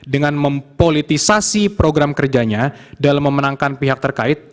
dengan mempolitisasi program kerjanya dalam memenangkan pihak terkait